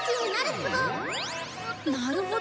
なるほど。